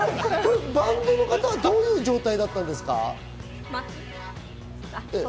バンドの方、どういう状態だったんですか？